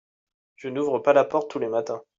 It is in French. Je n'ouvre pas la porte tous les matins.